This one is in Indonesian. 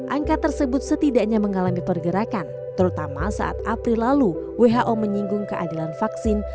angka tersebut setidaknya mengalami pergerakan terutama saat april lalu who menyinggung keadilan vaksin